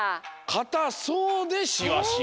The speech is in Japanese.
かたそうでシワシワ。